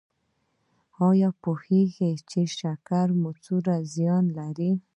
ایا پوهیږئ چې شکر څومره زیان لري؟